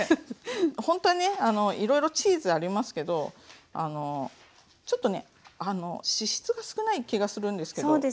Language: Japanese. ほんとはねいろいろチーズありますけどちょっとね脂質が少ない気がするんですけど。